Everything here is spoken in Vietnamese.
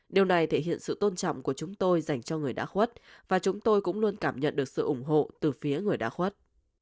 điều này thể hiện sự tôn trọng của chúng tôi dành cho người đã khuất và chúng tôi cũng luôn cảm nhận được sự ủng hộ từ phía người đã khuất